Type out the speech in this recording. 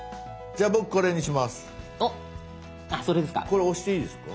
これ押していいですか？